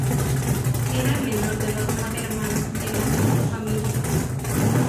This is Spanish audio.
Era el menor de los nueve hermanos integrantes de su familia.